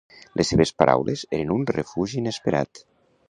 Les seves paraules eren un refugi inesperat.